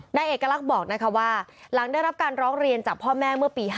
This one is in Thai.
นายเอกลักษณ์บอกนะคะว่าหลังได้รับการร้องเรียนจากพ่อแม่เมื่อปี๕๗